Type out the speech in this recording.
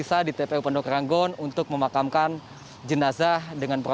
meski demikian lahan yang tersisa yang diperlukan untuk memakamkan jenazah ini tidak akan berhasil